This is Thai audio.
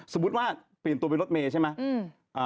สมมุติว่าเปลี่ยนตัวเป็นรถเมย์ใช่ไหม